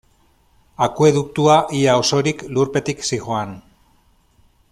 Akueduktua, ia osorik, lurpetik zihoan.